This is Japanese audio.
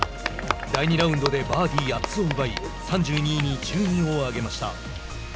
第２ラウンドでバーディー８つを奪い３２位に順位を上げました。